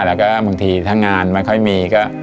แล้วก็บางทีถ้างานไม่ค่อยมีก็